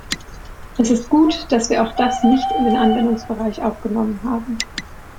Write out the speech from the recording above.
Es ist gut, dass wir auch das nicht in den Anwendungsbereich aufgenommen haben.